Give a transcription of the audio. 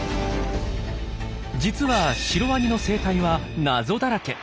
実はシロワニの生態は謎だらけ。